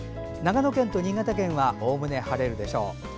長野県と新潟県はおおむね晴れるでしょう。